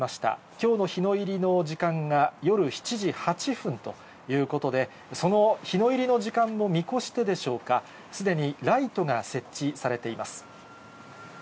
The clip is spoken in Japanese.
きょうの日の入りの時間が夜７時８分ということで、その日の入り時間も見越してでしょうか、すでにライトが設置されています。